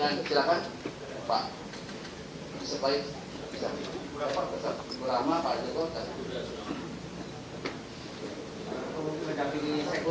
dengan silakan pak disampaikan berapa besar lama pada kota kota hai kamu terganti sepuluh